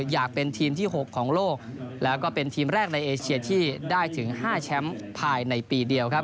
อยากเป็นทีมที่๖ของโลกแล้วก็เป็นทีมแรกในเอเชียที่ได้ถึง๕แชมป์ภายในปีเดียวครับ